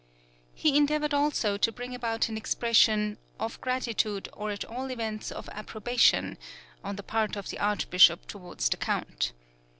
He endeavoured also to bring about an expression "of gratitude, or at all events of approbation" on the part of the Archbishop towards the Count.